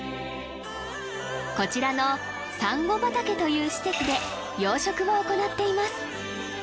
こちらのサンゴ畑という施設で養殖を行っています